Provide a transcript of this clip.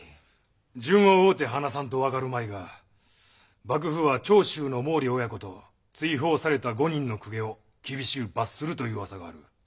順を追うて話さんと分かるまいが幕府は長州の毛利親子と追放された５人の公家を厳しゅう罰するという噂がある。